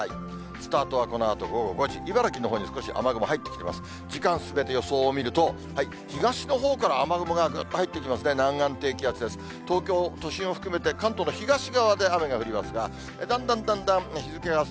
スタートはこのあと午後５時、茨城のほうに少し雨雲入ってきてます。